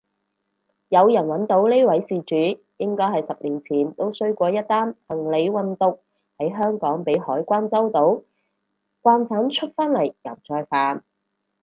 有人搵到呢位事主應該十年前都衰過一單行李運毒喺香港被海關周到，慣犯出返嚟又再犯